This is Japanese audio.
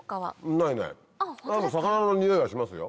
ないない魚のにおいはしますよ。